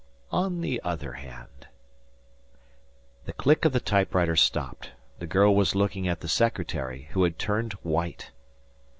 On the other hand The click of the typewriter stopped; the girl was looking at the secretary, who had turned white.